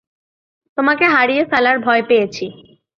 তোমাকে হারিয়ে ফেলার ভয় পেয়েছি।